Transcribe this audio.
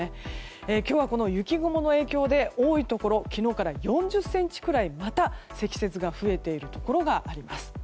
今日は、この雪雲の影響で多いところ昨日から４０ｃｍくらいまた積雪が増えているところがあります。